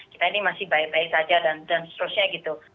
kita ini masih baik baik saja dan seterusnya gitu